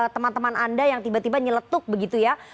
teman teman anda yang tiba tiba nyeletuk begitu ya